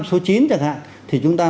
năm số chín chẳng hạn thì chúng ta